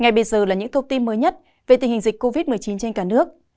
ngay bây giờ là những thông tin mới nhất về tình hình dịch covid một mươi chín trên cả nước